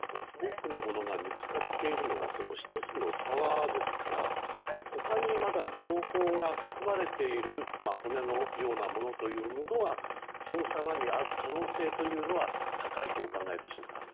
多くのものが見つかっているのが１つの沢ですから他にまだ情報が含まれている骨のようなものというものはその沢にある可能性は高いとお考えでしょうか。